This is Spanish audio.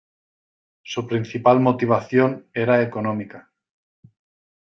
Su principal motivación era económica.